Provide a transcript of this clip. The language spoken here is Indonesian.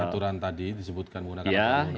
aturan tadi disebutkan menggunakan